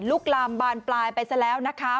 ลุกลามบานปลายไปซะแล้วนะคะ